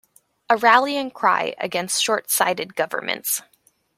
A rallying cry against shortsighted governments.